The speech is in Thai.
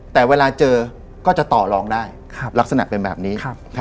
แต่เวลาเจอก็จะต่อลองได้ลักษณะเป็นแบบนี้